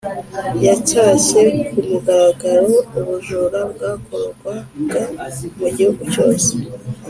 ., yacyashye ku mugaragaro ubujura bwakorwaga mu gihugu cyose